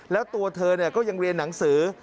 แล้วตัวเธอก็ยังเรียนหนังสือ